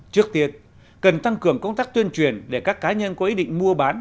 trước tiên cần tăng cường công tác tuyên truyền để các cá nhân có ý định mua bán